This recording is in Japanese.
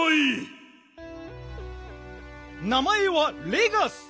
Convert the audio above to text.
名まえはレガス。